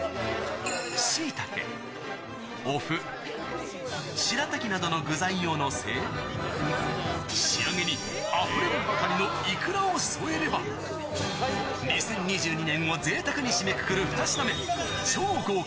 しいたけ、おふ、しらたきなどの具材を載せ、仕上げにあふれんばかりのいくらを添えれば、２０２２年をぜいたくに締めくくる２品目、超豪華！